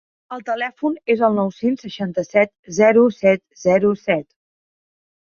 El telèfon és el nou-cents seixanta-set zero set zero set.